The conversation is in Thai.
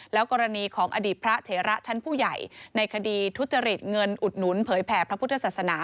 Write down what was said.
แล้วกรณีของอดีตพระเถระชั้นผู้ใหญ่ในคดีทุจริตเงินอุดหนุนเผยแผ่พระพุทธศาสนา